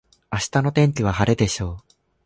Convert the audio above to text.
明日の天気は晴れでしょう。